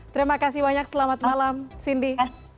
terima kasih banyak selamat malam cindy